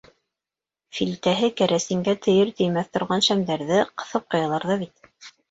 Филтәһе кәрәсингә тейер-теймәҫ торған шәмдәрҙе ҡыҫып ҡуялар ҙа бит.